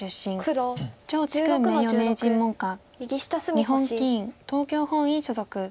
日本棋院東京本院所属。